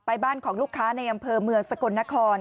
บ้านของลูกค้าในอำเภอเมืองสกลนคร